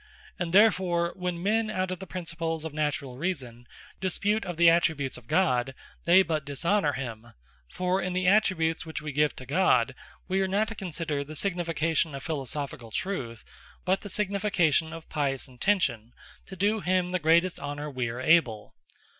And therefore, when men out of the Principles of naturall Reason, dispute of the Attributes of God, they but dishonour him: For in the Attributes which we give to God, we are not to consider the signification of Philosophicall Truth; but the signification of Pious Intention, to do him the greatest Honour we are able.